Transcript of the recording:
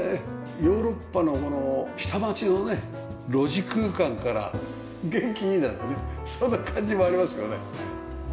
ヨーロッパのこの下町のね路地空間から「元気？」なんてねそんな感じもありますよね。